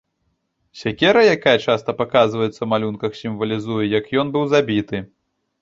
Сякера, якая часта паказваецца ў малюнках сімвалізуе, як ён быў забіты.